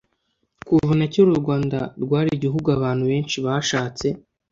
kuva na kera u rwanda rwari igihugu abantu benshi bashatse